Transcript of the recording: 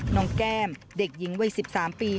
แก้มเด็กหญิงวัย๑๓ปี